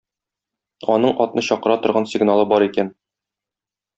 Аның атны чакыра торган сигналы бар икән.